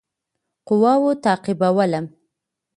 قواوو تعقیبولم.